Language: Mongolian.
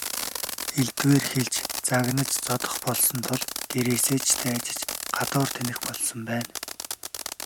Элдвээр хэлж, загнаж зодох болсон тул гэрээсээ ч дайжиж гадуур тэнэх болсон байна.